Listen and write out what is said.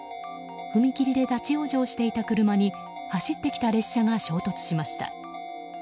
踏切で立ち往生していた車に走ってきた列車が衝突しました。